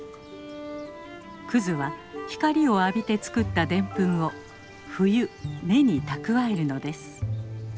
クズは光を浴びて作ったデンプンを冬根に蓄えるのです。